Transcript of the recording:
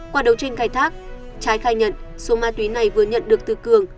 qua đấu tranh khai thác trái khai nhận số ma túy này vừa nhận được từ cường